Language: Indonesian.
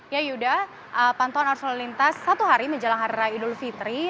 ya yuda pantauan arus lalu lintas satu hari menjelang hari raya idul fitri